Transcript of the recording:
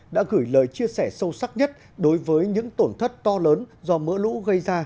đã gửi lời chia sẻ sâu sắc nhất đối với những tổn thất to lớn do mỡ lũ gây ra